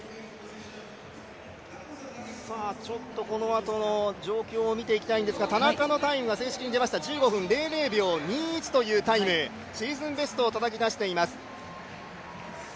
ちょっとこのあとの状況を見ていきたいんですが田中のタイムが正式に出ました、１５分００秒２１というシーズンベストをたたき出しています。